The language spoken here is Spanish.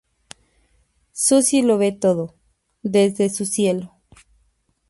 Susie lo ve todo "desde su cielo".